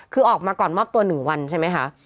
คือออกมาก่อนมากกว่าหนึ่งวันใช่ไหมคะ